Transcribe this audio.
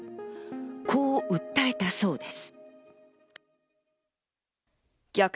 こう訴えたそうです。